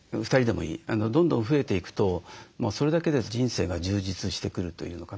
どんどん増えていくとそれだけで人生が充実してくるというのかな。